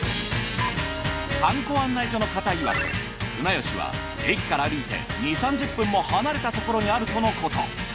観光案内所の方いわくうなよしは駅から歩いて２０３０分も離れたところにあるとのこと。